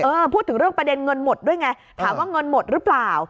พูดถึงเรื่องประเด็นเงินหมดด้วยไงถามว่าเงินหมดหรือเปล่า